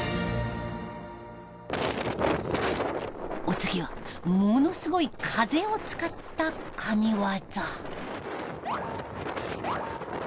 お次はものすごい風を使った神業。